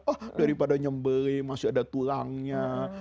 oh daripada nyembeli masih ada tulangnya